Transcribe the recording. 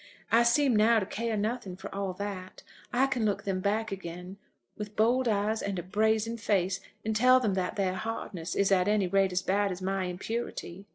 I seem now to care nothing for all that. I can look them back again with bold eyes and a brazen face, and tell them that their hardness is at any rate as bad as my impurity."